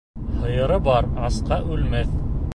Һыйыры бар асҡа үлмәҫ.